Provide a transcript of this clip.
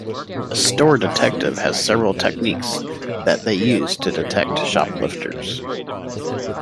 A Store Detective has several techniques that they use to detect shoplifters.